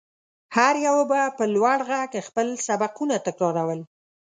هر يوه به په لوړ غږ خپل سبقونه تکرارول.